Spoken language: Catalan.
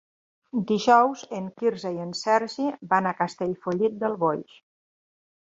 Dijous en Quirze i en Sergi van a Castellfollit del Boix.